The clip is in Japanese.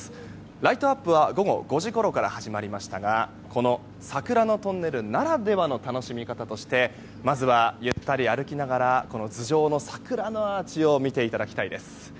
ライトアップは午後５時ごろから始まりましたがこの桜のトンネルならではの楽しみ方としてまずは、ゆったり歩きながらこの頭上の桜のアーチを見ていただきたいです。